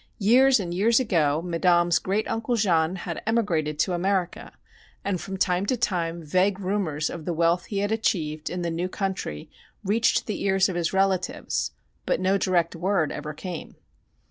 Years and years ago Madame's great uncle Jean had emigrated to America, and from time to time vague rumors of the wealth he had achieved in the new country reached the ears of his relatives but no direct word ever came.